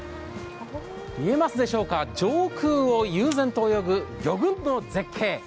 見えますでしょうか、上空を悠然と泳ぐ魚群の絶景。